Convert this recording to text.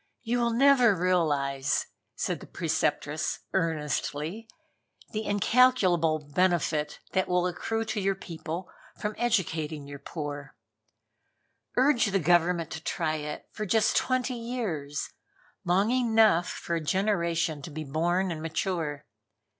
"You will never realize," said the Preceptress earnestly, "the incalculable benefit that will accrue to your people from educating your poor. Urge that Government to try it for just twenty years, long enough for a generation to be born and mature.